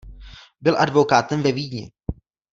Byl advokátem ve Vídni.